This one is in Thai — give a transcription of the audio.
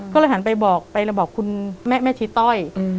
ก็เลยหันไปบอกไปบอกคุณแม่ชีต้อย